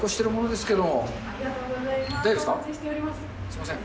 すみません。